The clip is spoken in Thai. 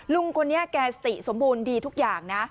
ลุงคนนี้แกสติสมบูรณ์ดีทุกอย่างนะ